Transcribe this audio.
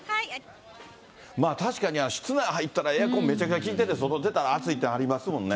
確かに室内入ったらエアコンめちゃくちゃ効いてて、外出たら暑いってありますもんね。